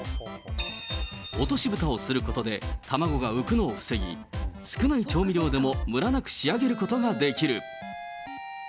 落としぶたをすることで、卵が浮くのを防ぎ、少ない調味料でもむらなく仕上げることができる。